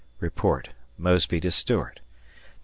[Report, Mosby to Stuart] Nov.